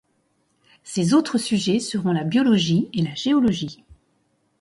Ses autres sujets seront la biologie et la géologie.